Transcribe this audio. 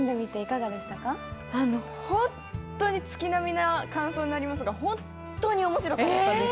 月並みな感想になりますが、本当に面白かったです。